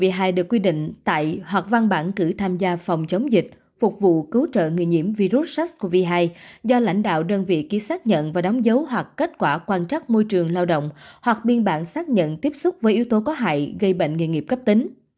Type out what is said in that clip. vi được quy định tại hoặc văn bản cử tham gia phòng chống dịch phục vụ cứu trợ người nhiễm virus sars cov hai do lãnh đạo đơn vị ký xác nhận và đóng dấu hoặc kết quả quan trắc môi trường lao động hoặc biên bản xác nhận tiếp xúc với yếu tố có hại gây bệnh nghề nghiệp cấp tính